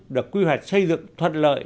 được quy hoạch xây dựng thuận lợi